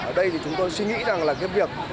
ở đây thì chúng tôi suy nghĩ rằng là cái việc